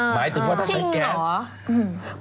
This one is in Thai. หมายถึงว่าถ้าใช้แก๊สจริงเหรอ